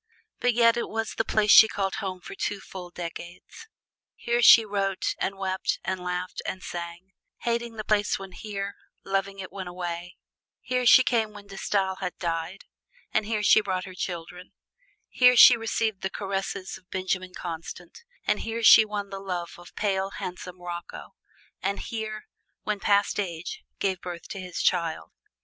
But yet it was the place she called home for full two decades. Here she wrote and wept and laughed and sang: hating the place when here, loving it when away. Here she came when De Stael had died, and here she brought her children. Here she received the caresses of Benjamin Constant, and here she won the love of pale, handsome Rocco, and here, "when past age," gave birth to his child.